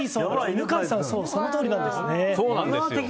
犬飼さん、そのとおりなんです。